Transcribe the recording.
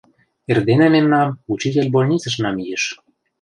Эрдене мемнам учитель больницыш намийыш...